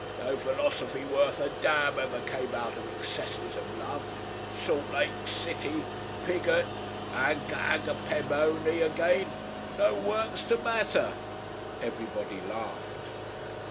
No philosophy worth a damn ever came out of excesses of love. Salt Lake City Piggott Ag Agapemone again no works to matter." Everybody laughed.